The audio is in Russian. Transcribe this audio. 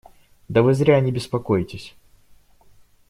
Да вы зря не беспокойтесь.